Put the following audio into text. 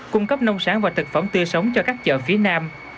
cung cấp nông sản và thực phẩm tươi sống cho các chợ phía nam